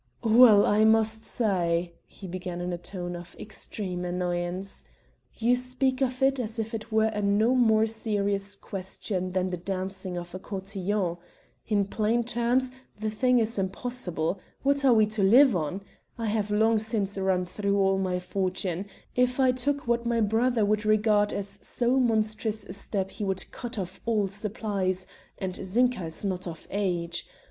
"Well, I must say!" he began in a tone of extreme annoyance, "you speak of it as if it were a no more serious question than the dancing of a cotillon. In plain terms the thing is impossible. What are we to live on? I have long since run through all my fortune, if I took what my brother would regard as so monstrous a step he would cut off all supplies, and Zinka is not of age.